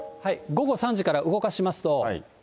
午後３時から動かしますと。